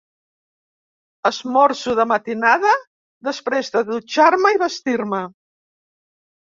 Esmorzo de matinada, després de dutxar-me i vestir-me.